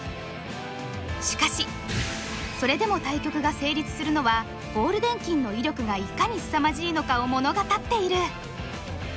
しかしそれでも対局が成立するのはゴールデン金の威力がいかにすさまじいのかを物語っている。